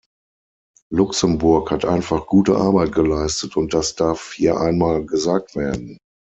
Luxemburg hat einfach gute Arbeit geleistet, und das darf hier einmal gesagt werden.